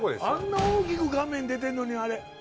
あんな大きく画面出てんのに。